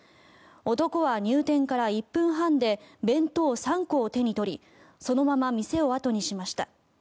男は入店から１分半で弁当３個を手に取りそのまま店を後にしました。